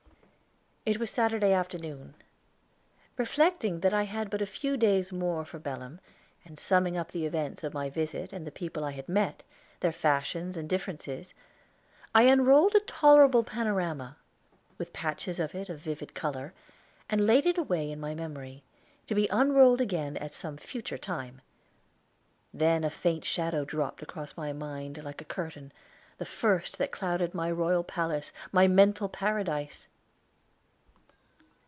It was Saturday afternoon. Reflecting that I had but a few days more for Belem, and summing up the events of my visit and the people I had met, their fashions and differences, I unrolled a tolerable panorama, with patches in it of vivid color, and laid it away in my memory, to be unrolled again at some future time. Then a faint shadow dropped across my mind like a curtain, the first that clouded my royal palace, my mental paradise!